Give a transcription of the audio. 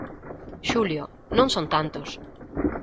Xulio: Non son tantos.